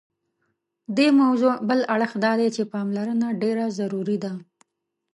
دې موضوع بل اړخ دادی چې پاملرنه ډېره ضروري ده.